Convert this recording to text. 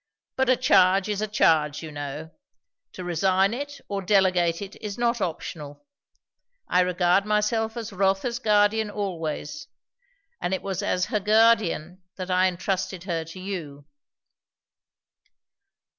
But a charge is a charge, you know. To resign it or delegate it is not optional. I regard myself as Rotha's guardian always, and it was as her guardian that I entrusted her to you."